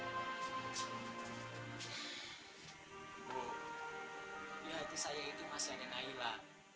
ibu di hati saya itu masih angin aila